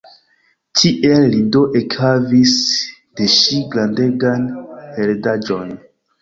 Tiel li do ekhavis de ŝi grandegan heredaĵon.